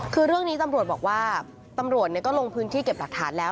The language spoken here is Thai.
คือเรื่องนี้ตำรวจบอกว่าตำรวจก็ลงพื้นที่เก็บหลักฐานแล้ว